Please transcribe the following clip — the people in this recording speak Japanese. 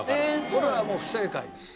これはもう不正解です。